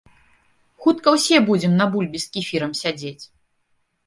Хутка ўсе будзем на бульбе з кефірам сядзець.